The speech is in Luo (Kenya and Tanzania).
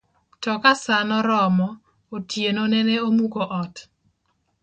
To ka saa noromo, otieno nene omuko ot